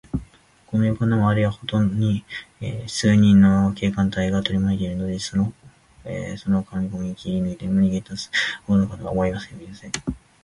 この洋館のまわりは、ほんとうに数十人の警官隊がとりまいているのです。そのかこみを切りぬけて、逃げだすことなど思いもおよびません。